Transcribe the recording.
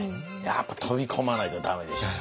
やっぱ飛び込まないと駄目でしょう。